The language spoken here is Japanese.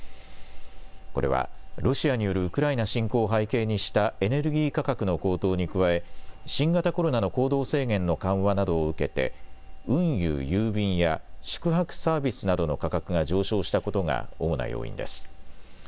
これはロシアによるウクライナ侵攻を背景にしたエネルギー価格の高騰に加え新型コロナの行動制限の緩和などを受けて運輸・郵便や宿泊サービスなどの価格が上昇したことが主な要因です。